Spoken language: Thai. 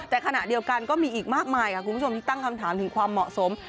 แต่ขณะเดียวกันก็มีอีกมากมายค่ะคุณผู้ชมที่ตั้งคำถามถึงความเหมาะสม